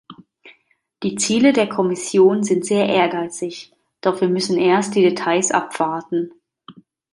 Die Ziele der Kommission sind sehr ehrgeizig, doch wir müssen erst die Details abwarten.